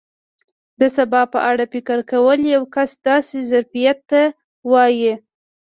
د سبا په اړه فکر کول یو کس داسې ظرفیت ته وایي.